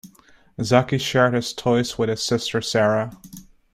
Zaki shared his toys with his sister Sarah.